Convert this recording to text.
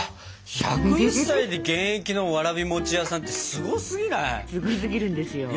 １０１歳で現役のわらび餅屋さんってすごすぎない？